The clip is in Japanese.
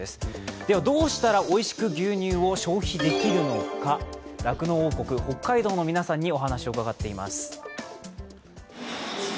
ではどうしたらおいしく牛乳を消費できるのか、酪農王国・北海道の皆さんにお話を伺っています。